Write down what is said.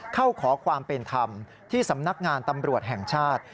ขอความเป็นธรรมที่สำนักงานตำรวจแห่งชาติ